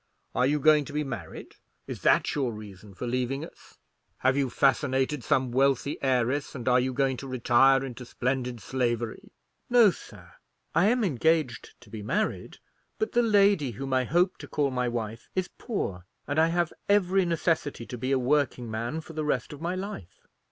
Are you going to be married? Is that your reason for leaving us? Have you fascinated some wealthy heiress, and are you going to retire into splendid slavery?" "No, sir. I am engaged to be married; but the lady whom I hope to call my wife is poor, and I have every necessity to be a working man for the rest of my life."